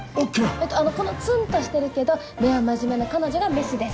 えっとこのツンとしてるけど根は真面目な彼女が雌です。